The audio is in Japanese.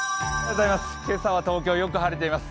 今朝は東京、よく晴れています。